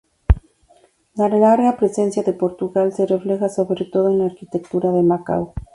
La larga presencia de Portugal se refleja sobre todo en la arquitectura de Macao.